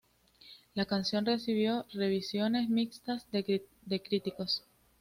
La canción recibió revisiones mixtas de críticos.